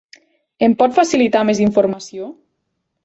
Em pot facilitar més informació?